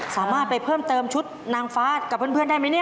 สามารถไปเพิ่มเติมชุดนางฟ้ากับเพื่อนได้ไหมเนี่ย